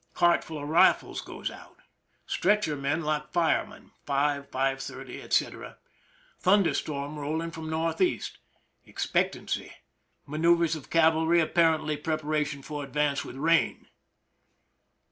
Cartful of rifles goes out. Stretcher men, like firemen, 5, 5 : 30, etc. Thunder storm rolling from N. E. Expectancy. Manoeuvers of cavalry, apparently prepara tion for advance with rain.